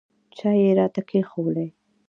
چای یې راته کښېښوولې.